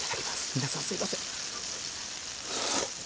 皆さんすみません。